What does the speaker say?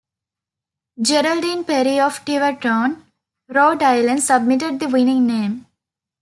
Geraldine Perry of Tiverton, Rhode Island submitted the winning name.